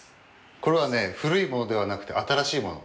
これはね古いものではなくて新しいもの。